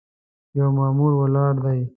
یو مامور ولاړ دی.